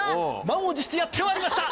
満を持してやってまいりました